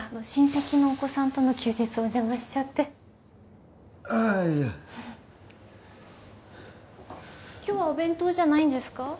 親戚のお子さんとの休日お邪魔しちゃってああいや今日はお弁当じゃないんですか？